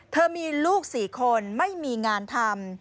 เธอมีลูก๔คนไม่มีงานทำ